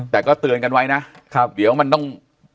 แต่ก็เตือนกันไว้นะเดี๋ยวมันต้อง